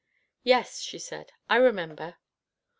"Yes," she said, "I remember."